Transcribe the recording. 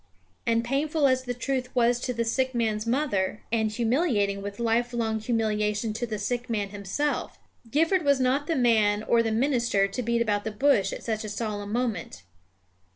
And painful as the truth was to the sick man's mother, and humiliating with a life long humiliation to the sick man himself, Gifford was not the man or the minister to beat about the bush at such a solemn moment.